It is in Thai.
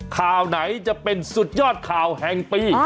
ข่าวไหนจะเป็นสุดยอดข่าวแห่งปี